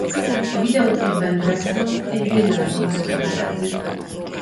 A videóklipben Braxton egy villában zongorázik.